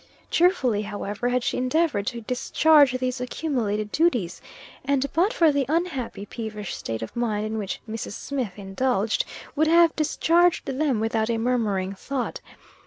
Cheerfully, however, had she endeavored to discharge these accumulated duties, and but for the unhappy, peevish state of mind in which Mrs. Smith indulged, would have discharged them without a murmuring thought.